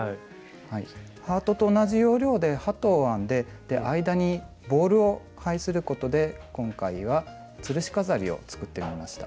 ハートと同じ要領で鳩を編んで間にボールを配することで今回はつるし飾りを作ってみました。